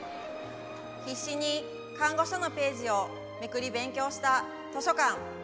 「必死に看護書のページをめくり勉強した図書館」。